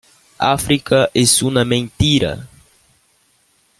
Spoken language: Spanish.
África es una mentira.